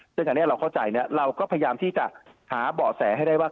ซึ่งอันนี้เราเข้าใจเราก็พยายามที่จะหาเบาะแสให้ได้ว่า